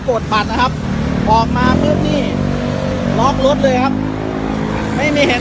ดบัตรนะครับออกมาปุ๊บนี่ล็อกรถเลยครับไม่มีเห็น